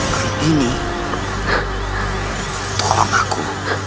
kali ini tolong aku